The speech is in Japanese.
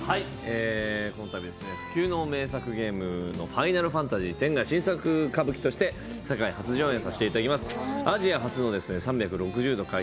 このたび不朽の名作ゲーム「ファイナルファンタジーⅩ」が新作歌舞伎として世界初上演させていただきます。